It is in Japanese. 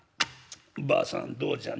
ばあさんどうじゃな？